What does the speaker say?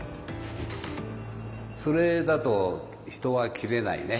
それだと人は斬れないね。